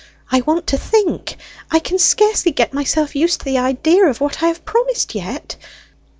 I want to think, I can scarcely get myself used to the idea of what I have promised yet."